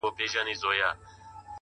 د نورو بریا ستایل لویوالی دی’